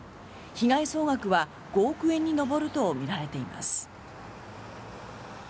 被害総額は５億円に上るとみられています。